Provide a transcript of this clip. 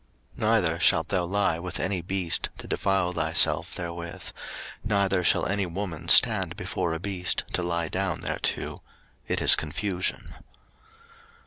03:018:023 Neither shalt thou lie with any beast to defile thyself therewith: neither shall any woman stand before a beast to lie down thereto: it is confusion.